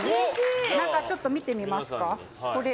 ちょっと見てみますか。